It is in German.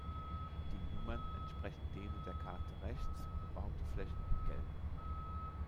Die Nummern entsprechen denen der Karte rechts; bebaute Flächen in gelb.